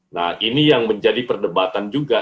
nah ini yang menjadi perdebatan juga